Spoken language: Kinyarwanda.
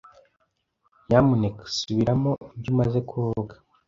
Nyamuneka subiramo ibyo umaze kuvuga.